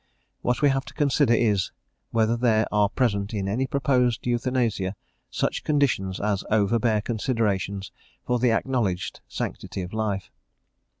What we have to consider is, whether there are present, in any proposed euthanasia, such conditions as overbear considerations for the acknowledged sanctity of life.